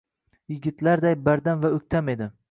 Yigitlarday bardam va oʻktam edi